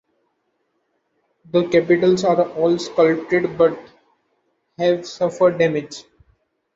The capitals are all sculpted but have suffered damage.